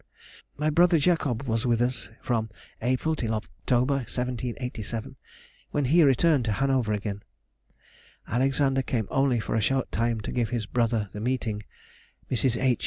My brother Jacob was with us from April till October, 1787, when he returned to Hanover again. Alexander came only for a short time to give his brother the meeting, Mrs. H.